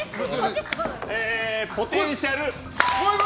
ポテンシャル！